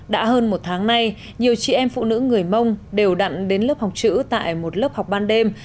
đã hơn một tháng nay nhiều chị em phụ nữ người mông đều đặn đến lớp học chữ tại một lớp học ban đêm